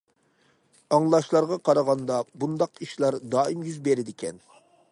ئاڭلاشلارغا قارىغاندا بۇنداق ئىشلار دائىم يۈز بېرىدىكەن.